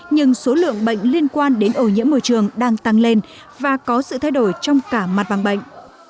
nhưng số lượng bệnh liên quan đến ổ nhiễm môi trường đang tăng lên và có sự thay đổi trong cả mặt bằng bệnh